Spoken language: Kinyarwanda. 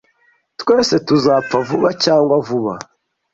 Twese tuzapfa vuba cyangwa vuba.